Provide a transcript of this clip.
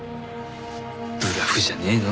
ブラフじゃねえの？